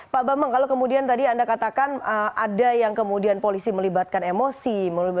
pak bambang kalau kemudian tadi anda katakan ada yang kemudian polisi melibatkan emosi